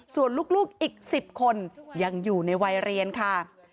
ส่วนลูกอีก๑๐คนยังอยู่ในวัยเรียนค่ะ